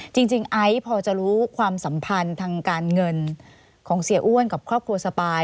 ไอซ์พอจะรู้ความสัมพันธ์ทางการเงินของเสียอ้วนกับครอบครัวสปาย